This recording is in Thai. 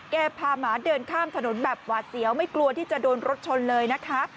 พาหมาเดินข้ามถนนแบบหวาดเสียวไม่กลัวที่จะโดนรถชนเลยนะคะ